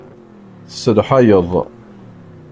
Tselḥayeḍ.